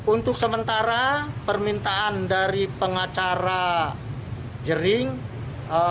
untuk sementara permintaan dari pengacara jering